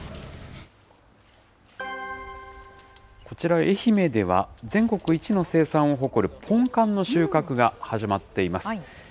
こちら、愛媛では全国一の生産を誇るポンカンの収穫が始まっています。